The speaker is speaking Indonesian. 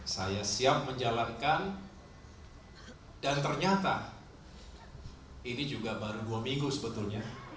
saya siap menjalankan dan ternyata ini juga baru dua minggu sebetulnya